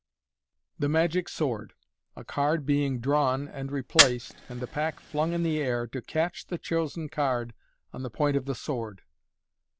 The Magic Sword. A Card being drawn and replaced, and the Pack flung in the Air, to catch the chosen Card on the point of the Sword.